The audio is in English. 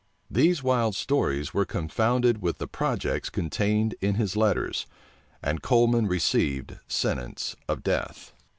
These wild stories were confounded with the projects contained in his letters; and Coleman received sentence of death.